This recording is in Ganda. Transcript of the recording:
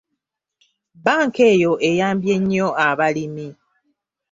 Bbanka eyo eyambye nnyo abalimi.